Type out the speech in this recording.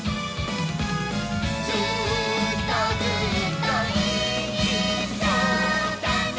「ずーっとずっといっしょだね！」